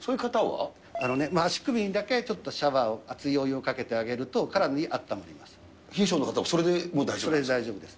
あのね、足首にだけちょっとシャワーを、熱いお湯をかけてあげると、かなりあったまります。